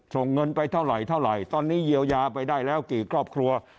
ส่งเงินไปเท่าไหร่เท่าไหร่ตอนนี้เยียวยาไปได้แล้วกี่ครอบครัว